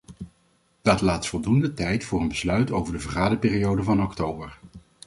Dat laat voldoende tijd voor een besluit over de vergaderperiode van oktober.